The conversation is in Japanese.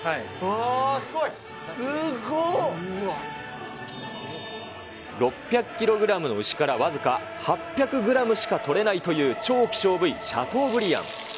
あー、すごい。６００キログラムの牛から僅か８００グラムしか取れないという超希少部位、シャトーブリアン。